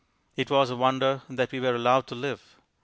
It was a wonder that we were allowed to live.